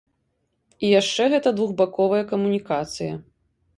І яшчэ гэта двухбаковая камунікацыя.